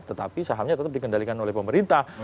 tetapi sahamnya tetap dikendalikan oleh pemerintah